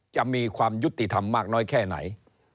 จะมีความยุติธรรมมากน้อยแค่ไหน